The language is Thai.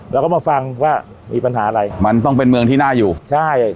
แล้วก็มาฟังว่ามีปัญหาอะไรมันต้องเป็นเมืองที่น่าอยู่ใช่